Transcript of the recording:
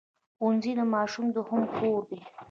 ښوونځی د ماشوم دوهم کور دی